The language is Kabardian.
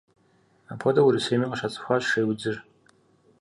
Апхуэдэу Урысейми къыщацӏыхуащ шейудзыр.